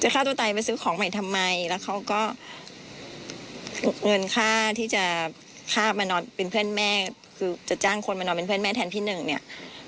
คืนละ๕๐๐บาทเนี่ย